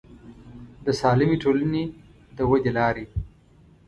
د سالمې ټولنې د ودې لارې